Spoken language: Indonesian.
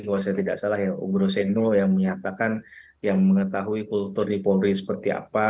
kalau saya tidak salah ya ugro sendo yang menyatakan yang mengetahui kultur di polri seperti apa